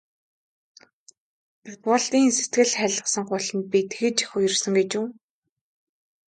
Батболдын сэтгэл хайлгасан гуйлтад би тэгж их уярсан гэж үү.